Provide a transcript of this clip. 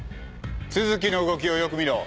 都築の動きをよく見ろ。